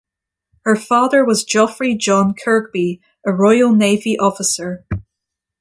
Her father was Geoffrey John Kirkby, a Royal Navy Officer.